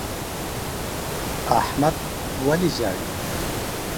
احمد ولي ژاړي؟